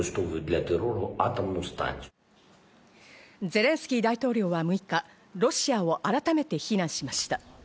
ゼレンスキー大統領は６日、ロシアを改めて非難しました。